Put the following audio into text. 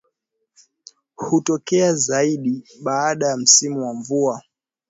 Hutokea zaidi baada ya msimu wa mvua